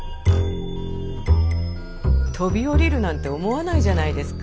飛び降りるなんて思わないじゃないですか。